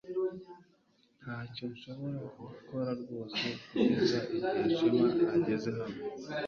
Ntacyo nshobora gukora rwose kugeza igihe Shema ageze hano